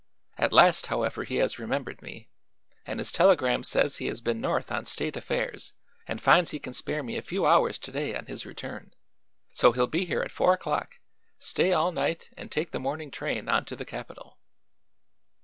At last, however, he has remembered me, and his telegram says he has been North on state affairs and finds he can spare me a few hours to day on his return; so he'll be here at four o'clock, stay all night and take the morning train on to the capitol."